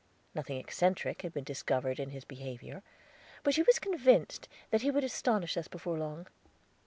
Nothing eccentric had been discovered in his behavior; but she was convinced that he would astonish us before long.